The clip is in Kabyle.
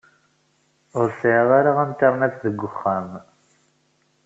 Ur sɛiɣ ara Internet deg uxxam.